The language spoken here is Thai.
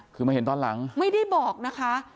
คือมาเห็นตอนหลังไม่ได้บอกนะคะ